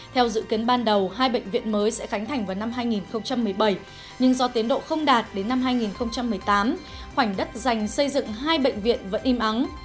theo dự kiến ban đầu hai bệnh viện mới sẽ khánh thành vào năm hai nghìn một mươi bảy nhưng do tiến độ không đạt đến năm hai nghìn một mươi tám khoảnh đất dành xây dựng hai bệnh viện vẫn im ắng